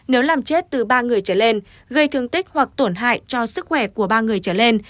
nếu làm chết từ ba người trở lên gây thương tích hoặc tổn hại cho sức khỏe của ba người trở lên